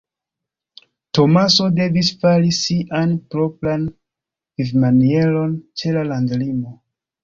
Tomaso devis fari sian propran vivmanieron ĉe la landlimo.